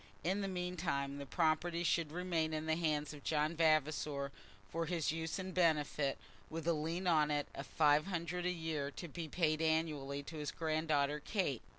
In the meantime the property should remain in the hands of John Vavasor for his use and benefit, with a lien on it of five hundred a year to be paid annually to his granddaughter Kate.